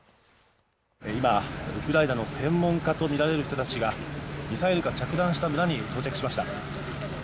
今、ウクライナの専門家とみられる人たちがミサイルが着弾した村に到着しました。